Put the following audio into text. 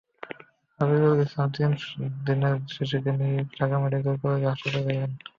খাবিরুল ইসলাম তিন দিনের শিশুকে নিয়ে ঢাকা মেডিকেল কলেজ হাসপাতালে এলেন।